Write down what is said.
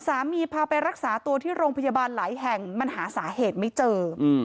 พาไปรักษาตัวที่โรงพยาบาลหลายแห่งมันหาสาเหตุไม่เจอ